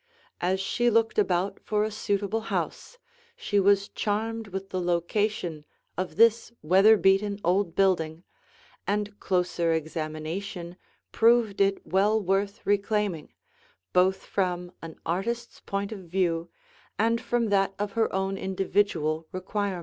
As she looked about for a suitable house, she was charmed with the location of this weather beaten old building, and closer examination proved it well worth reclaiming, both from an artist's point of view and from that of her own individual requirements.